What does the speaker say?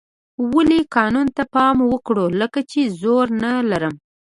ولې قانون ته پام وکړو لکه چې زور نه لرم.